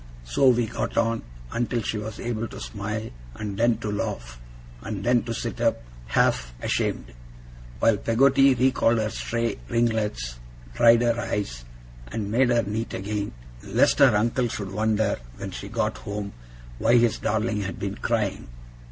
So we got on, until she was able to smile, and then to laugh, and then to sit up, half ashamed; while Peggotty recalled her stray ringlets, dried her eyes, and made her neat again, lest her uncle should wonder, when she got home, why his darling had been crying.